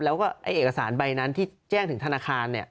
แล้วก็เอกสารใบนั้นที่แจ้งถึงธนาคาร